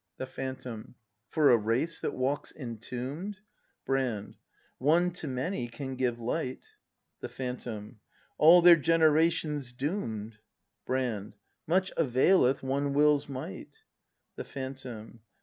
The Phantom. For a race that walks entomb 'd! Brand. One to many can give light. The Phantom. All their generation's doom'd. Brand. Much availeth one will's might. The Phantom.